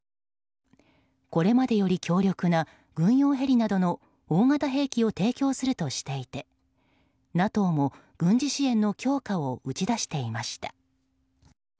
これまでより強力な軍用ヘリなどの大型兵器を提供するとしていてＮＡＴＯも軍事支援の強化を打ち出していました。